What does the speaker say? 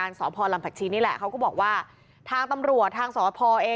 เอ่อสอบภลรัมดิ์ภวกผลรำถักชี